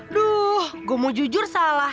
duh gue mau jujur salah